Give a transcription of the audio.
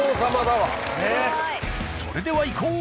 それではいこう！